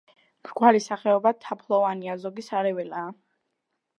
მრავალი სახეობა თაფლოვანია, ზოგი სარეველაა.